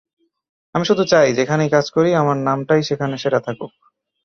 আমি শুধু চাই, যেখানেই কাজ করি আমার নামটাই সেখানে সেরা থাকুক।